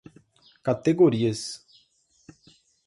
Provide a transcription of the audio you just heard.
categorias